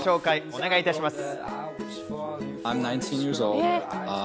お願いいたします。